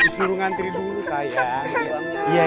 suruh ngantri dulu sayang